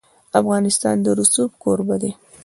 افغانستان د رسوب کوربه دی.